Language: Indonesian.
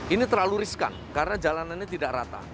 ini terlalu riskan karena jalanannya tidak rata